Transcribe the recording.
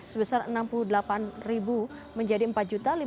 sebesar rp enam puluh delapan menjadi rp empat lima ratus tujuh puluh tiga